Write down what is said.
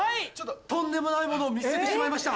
とんでもないものを見つけてしまいました。